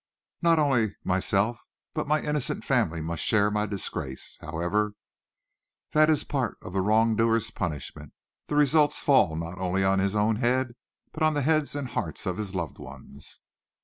Not only myself but my innocent family must share my disgrace. However, that is part of the wrongdoer's punishment that results fall not only on his own head, but on the heads and hearts of his loved ones."